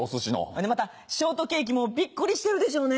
ほんでまたショートケーキもびっくりしてるでしょうね。